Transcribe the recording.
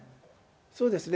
そうですね。